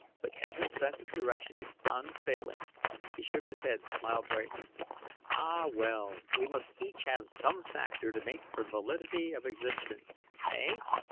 But Evin's sense of direction is unfailing." He shook his head, smiled brightly. "Ah, well, we must each have some factor to make for validity of existence, eh?"